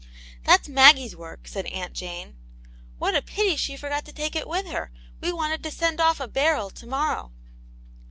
"That's Maggie's work," said Aunt Jane. "What a pity that she forgot to take it with her! We wanted to send off a barrel to morrow."